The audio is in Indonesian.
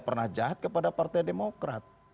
pernah jahat kepada partai demokrat